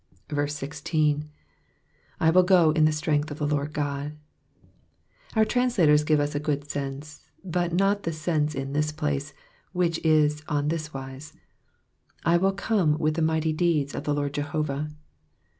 1(1. / will go in the strength of the Lord God,""' Our translators give us a good sense, but not the sense in this place, which is on this wise, I will come with the mighty deeds of the Lord Jehovah.'